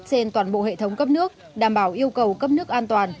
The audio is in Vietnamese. trên toàn bộ hệ thống cấp nước đảm bảo yêu cầu cấp nước an toàn